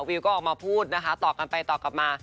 วิวก็ออกมาพูดนะคะตอบกันไปตอบกลับมา